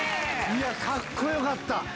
いや、かっこよかった。